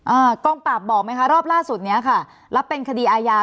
อ่ากองปราบบอกไหมคะรอบล่าสุดเนี้ยค่ะแล้วเป็นคดีอาญา